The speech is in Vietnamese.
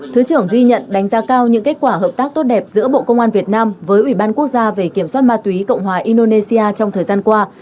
thứ trưởng ghi nhận đánh giá cao những kết quả hợp tác tốt đẹp giữa bộ công an việt nam với ủy ban quốc gia về kiểm soát ma túy cộng hòa indonesia trong thời gian qua